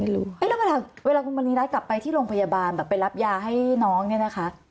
แล้วเวลาคุณมณีรัฐกลับไปที่โรงพยาบาลแบบไปรับยาให้น้องเนี่ยนะคะ